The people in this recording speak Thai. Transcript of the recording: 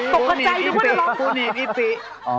ปูหนีบอีปี